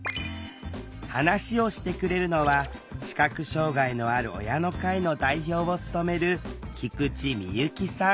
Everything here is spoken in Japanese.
話をしてくれるのは視覚障害のある親の会の代表を務める菊地美由紀さん